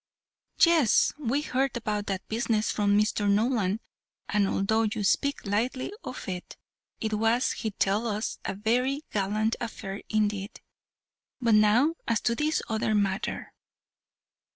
"Yes, we heard about that business from Mr. Nolan, and although you speak lightly of it, it was, he tells us, a very gallant affair indeed. But now as to this other matter."